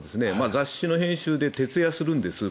雑誌の編集で徹夜するんです。